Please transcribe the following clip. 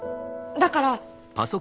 だから。